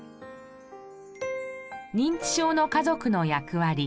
認知症の家族の役割。